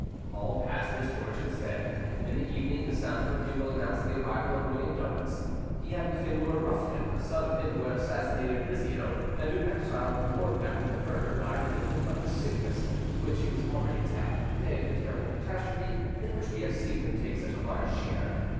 All passed as George had said: in the evening the sound of a bugle announced the arrival of William Douglas; he had with him Lord Ruthven, the son of him who had assassinated Rizzio, and who, exiled with Morton after the murder, died in England of the sickness with which he was already attacked the day of the terrible catastrophe in which we have seen him take such a large share.